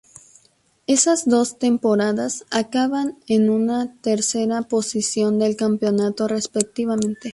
En esas dos temporadas acaba en segunda y tercera posición del campeonato, respectivamente.